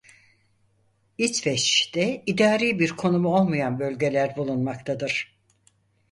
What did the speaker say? İsveç'te idari bir konumu olmayan bölgeler bulunmaktadır.